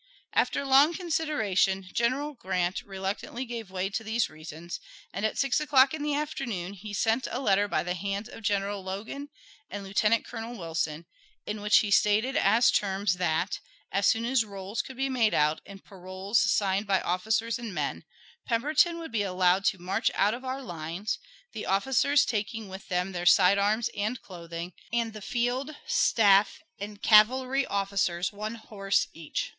After long consideration, General Grant reluctantly gave way to these reasons, and at six o'clock in the afternoon he sent a letter by the hands of General Logan and Lieutenant Colonel Wilson, in which he stated as terms that, as soon as rolls could be made out and paroles signed by officers and men, Pemberton would be allowed to march out of our lines, the officers taking with them their side arms and clothing, and the field, staff, and cavalry officers one horse each.